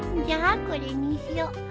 じゃあこれにしよう。